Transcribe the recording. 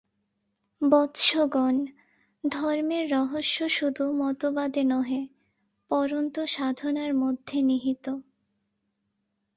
বৎসগণ, ধর্মের রহস্য শুধু মতবাদে নহে, পরন্তু সাধনার মধ্যে নিহিত।